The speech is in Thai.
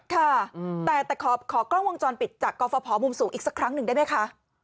ค่ะแต่ขอกล้องวงจรปิดจากกรฟภมุมสูงอีกสักครั้งหนึ่งได้ไหมคะ